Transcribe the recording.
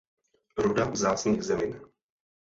Ruda vzácných zemin.